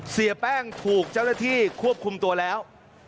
เสี่ยแป้งถูกควบคุมตัวแล้ว